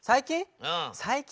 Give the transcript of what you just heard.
最近？